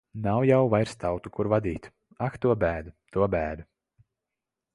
Nav jau vairs tautu, kur vadīt. Ak, to bēdu! To bēdu!